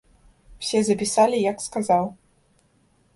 Усё запісалі, як сказаў.